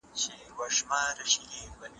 استازي له رسنیو سره څه ډول خبري کوي؟